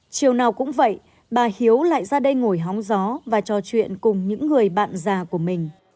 chiều nào cũng vậy bà hiếu lại ra đây ngồi hóng gió và trò chuyện cùng những người bạn già của mình